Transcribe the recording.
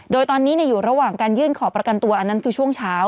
โดยตอนนี้อยู่ระหว่างการยื่นขอประกันตัวอันนั้นคือช่วงเช้า